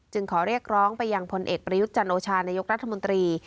ขอเรียกร้องไปยังพลเอกประยุทธ์จันโอชานายกรัฐมนตรี